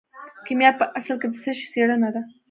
کیمیا په اصل کې د څه شي څیړنه ده.